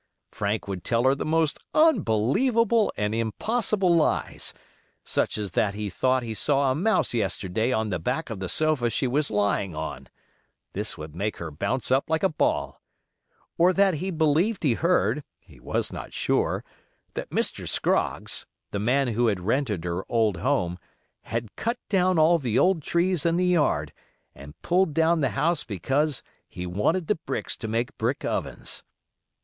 Frank would tell her the most unbelievable and impossible lies: such as that he thought he saw a mouse yesterday on the back of the sofa she was lying on (this would make her bounce up like a ball), or that he believed he heard—he was not sure—that Mr. Scroggs (the man who had rented her old home) had cut down all the old trees in the yard, and pulled down the house because he wanted the bricks to make brick ovens.